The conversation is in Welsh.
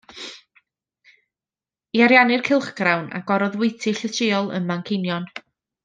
I ariannu'r cylchgrawn agorodd fwyty llysieuol ym Manceinion.